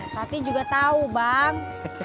tati juga tahu bang